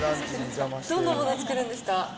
どんなもの作るんですか？